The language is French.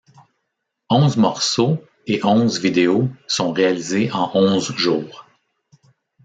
Onze morceaux et onze vidéos sont réalisés en onze jours.